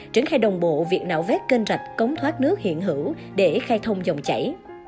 trứng khai đồng bộ việc nạo vết kênh rạch cống thoát nước hiện hữu để khai thông dòng chảy